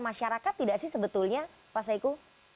masyarakat tidak sih sebetulnya pak saiku